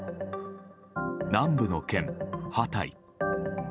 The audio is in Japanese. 南部の県ハタイ。